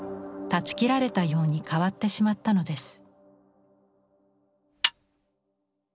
断ち切られたように変わってしまったのです。